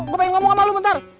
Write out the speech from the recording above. gua pengen ngomong sama lu bentar